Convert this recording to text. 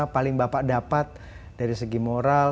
paling bapak dapat dari segi moral